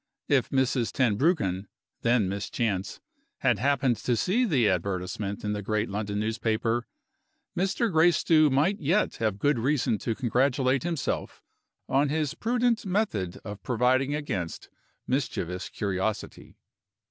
If Mrs. Tenbruggen (then Miss Chance) had happened to see the advertisement in the great London newspaper, Mr. Gracedieu might yet have good reason to congratulate himself on his prudent method of providing against mischievous curiosity.